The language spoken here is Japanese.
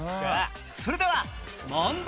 それでは問題